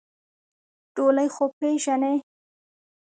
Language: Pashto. ډولۍ خو پېژنې؟